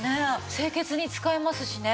清潔に使えますしね。